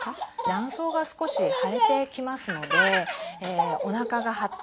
卵巣が少し腫れてきますのでおなかが張ったりだとか